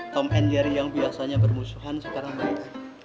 tom and jerry yang biasanya bermusuhan sekarang baik